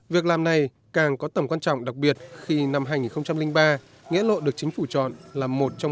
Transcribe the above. việc làm này càng có tầm quan trọng đặc biệt khi năm hai nghìn ba nghĩa lộ được chính phủ chọn là một trong